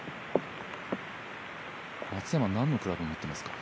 松山、何のクラブ持ってますか。